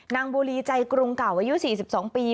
บุรีใจกรุงเก่าอายุ๔๒ปี